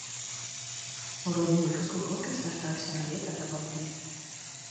У родную вёску хлопец вяртаўся на лета да бабулі.